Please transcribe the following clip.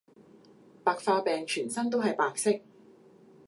白化病全身都係白色